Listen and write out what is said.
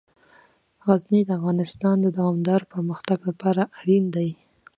غزني د افغانستان د دوامداره پرمختګ لپاره اړین دي.